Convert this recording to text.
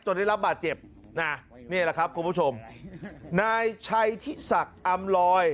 ได้รับบาดเจ็บนะนี่แหละครับคุณผู้ชมนายชัยทิศักดิ์อำลอย